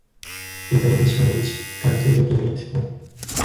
In the English language, Guide to Getting It On!